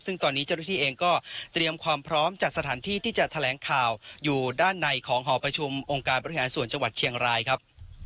ซึ่งตอนนี้เจ้าหน้าที่เองก็เตรียมความพร้อมจัดสถานที่ที่จะแถลงข่าวอยู่ด้านในของหอประชุมองค์การบริหารส่วนจังหวัดเชียงรายครับ